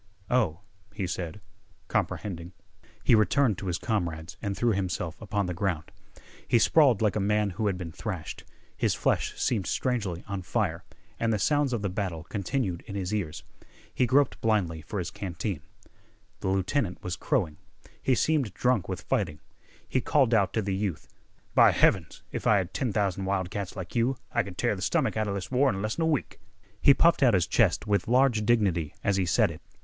"Oh," he said, comprehending. He returned to his comrades and threw himself upon the ground. He sprawled like a man who had been thrashed. His flesh seemed strangely on fire, and the sounds of the battle continued in his ears. He groped blindly for his canteen. The lieutenant was crowing. He seemed drunk with fighting. He called out to the youth: "By heavens, if I had ten thousand wild cats like you I could tear th' stomach outa this war in less'n a week!" He puffed out his chest with large dignity as he said it.